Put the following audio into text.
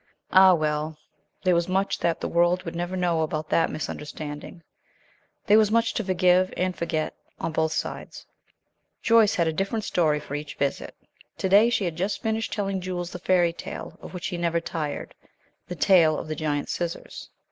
Ah, well, there was much that the world would never know about that misunderstanding. There was much to forgive and forget on both sides. Joyce had a different story for each visit. To day she had just finished telling Jules the fairy tale of which he never tired, the tale of the giant scissors.